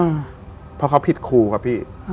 เพราะเขาผิดครูครับพี่